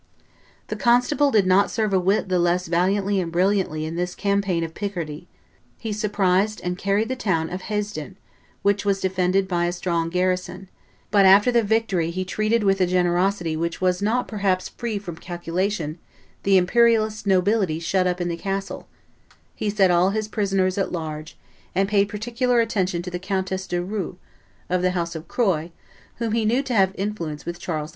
The constable did not serve a whit the less valiantly and brilliantly in this campaign of Picardy; he surprised and carried the town of Hesdin, which was defended by a strong garrison; but after the victory he treated with a generosity which was not perhaps free from calculation the imperialist nobility shut up in the castle; he set all his prisoners at large, and paid particular attention to the Countess de Roeux, of the house of Croy, whom he knew to have influence with Charles V.